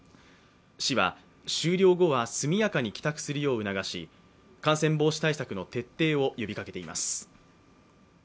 市は終了後は速やかに帰宅するよう促し感染防止対策の徹底を呼びかけています。